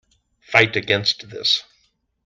Fight against this.